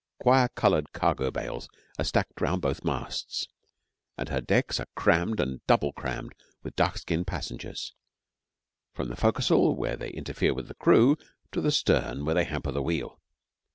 Coir coloured cargo bales are stacked round both masts, and her decks are crammed and double crammed with dark skinned passengers from the foc's'le where they interfere with the crew to the stern where they hamper the wheel.